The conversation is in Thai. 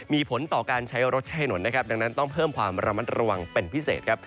มีผลต่อการใช้รถใช้ถนนนะครับดังนั้นต้องเพิ่มความระมัดระวังเป็นพิเศษครับ